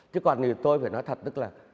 chứ còn tôi phải nói thật